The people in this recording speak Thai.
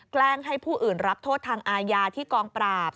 แกล้งให้ผู้อื่นรับโทษทางอาญาที่กองปราบ